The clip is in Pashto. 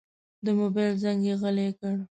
د موبایل زنګ یې غلی کړ.